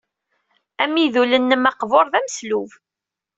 Amidul-nnem aqbur d ameslub.